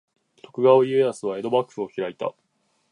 徳川家康は江戸幕府を開いた。